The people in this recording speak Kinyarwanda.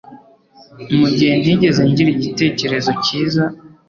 Mugihe ntigeze ngira igitekerezo cyiza